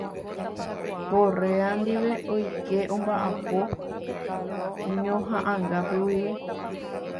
Correa ndive oike ombaʼapo ñohaʼãngápe guive.